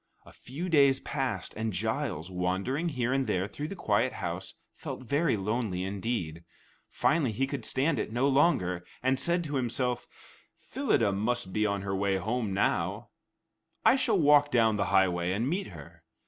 A few days passed, and Giles, wandering here and there through the quiet house, felt very lonely indeed. Finally he could stand it no longer, and said to himself, "Phyllida must be on her way home now; I shall walk down the highway and meet her."